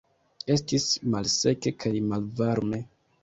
Estis malseke kaj malvarme.